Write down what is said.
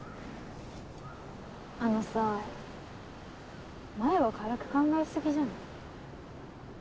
あのさあまいは軽く考えすぎじゃない？